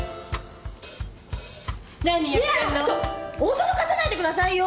驚かさないでくださいよ！